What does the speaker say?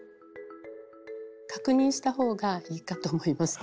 確認したほうがいいかと思います。